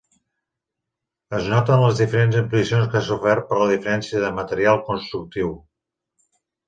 Es noten les diferents ampliacions que ha sofert per la diferència de material constructiu.